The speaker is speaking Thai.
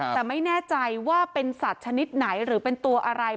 แต่ไม่แน่ใจว่าเป็นสัตว์ชนิดไหนหรือเป็นตัวอะไร